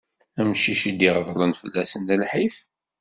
Amcic i d-iɣeḍlen fell-assen lḥif.